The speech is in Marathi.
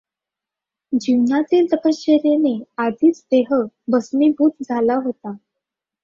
जीवनातील तपश्चर्येने आधीच देह भस्मीभूत झाला होता.